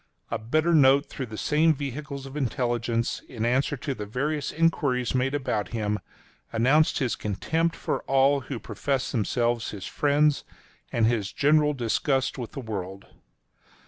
A bitter note through the same vehicles of intelligence in answer to the various enquiries made about him, announced his contempt for all who professed themselves his friends, and his general disgust with the world.